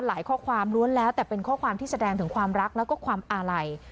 ข้อความล้วนแล้วแต่เป็นข้อความที่แสดงถึงความรักแล้วก็ความอาลัย